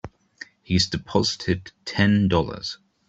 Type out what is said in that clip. He's deposited Ten Dollars.